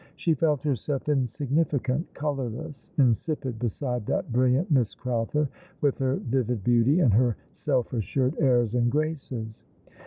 She felt herself insignificant, colourless, insipid beside that brilliant Miss Crowther, with her vivid beauty, and her self assured airs and graces.